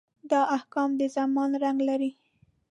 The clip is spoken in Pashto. دا احکام د زمان رنګ لري.